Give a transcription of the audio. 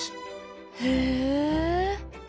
へえ。